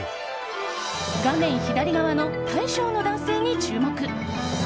画面左側の大将の男性に注目。